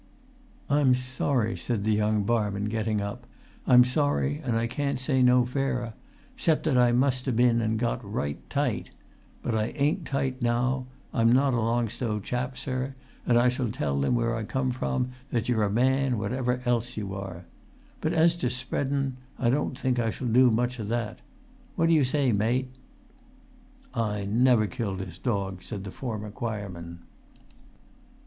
"I'm sorry," said the young barman, getting up. "I'm sorry, and I can't say no fairer, 'cept that I must ha' been an' got right tight. But I ain't tight now. I'm not a Long Stow chap, sir, and I shall tell them, where I come from, that you're a man, whatever else you are. But as to spreadun, I don't think I shall do much o' that; what do you say, mate?" "I never killed his dog," said the former choirman.